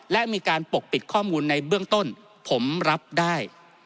และมีการปกปิดข้อมูลในเบื้องต้นผมรับได้